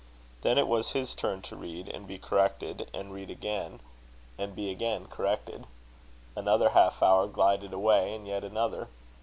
Then it was his turn to read and be corrected, and read again and be again corrected. Another half hour glided away, and yet another.